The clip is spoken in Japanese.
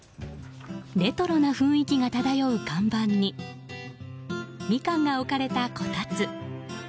レトロな雰囲気が漂う看板にミカンが置かれたこたつ。